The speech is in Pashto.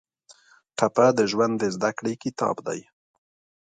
ټپه د ژوند د زده کړې کتاب دی.